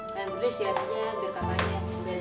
kami beli istirahat aja biar kakak aja